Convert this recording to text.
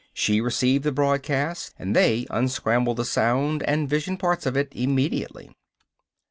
She received the broadcast and they unscrambled the sound and vision parts of it immediately.